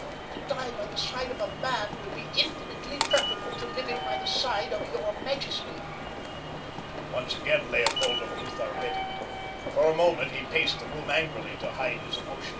To die by the side of a MAN would be infinitely preferable to living by the side of your majesty." Once again Leopold of Lutha reddened. For a moment he paced the room angrily to hide his emotion.